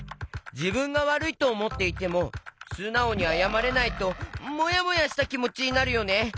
じぶんがわるいとおもっていてもすなおにあやまれないともやもやしたきもちになるよね。